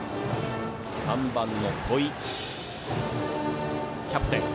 ３番の戸井、キャプテン。